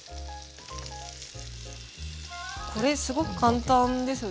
これすごく簡単ですね。